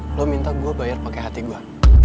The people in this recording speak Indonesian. terus lo minta gue bayar pake hati gue